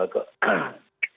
kemudian dari fbs